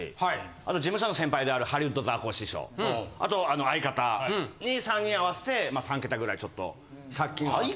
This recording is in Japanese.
あと事務所の先輩であるハリウッドザコシショウあと相方。に３人合わせて３桁ぐらいちょっと借金がありまして。